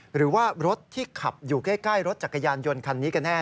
หรือว่ารถที่ขับอยู่ใกล้รถจักรยานยนต์คันนี้กันแน่